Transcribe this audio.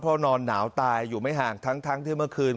เพราะนอนหนาวตายอยู่ไม่ห่างทั้งที่เมื่อคืน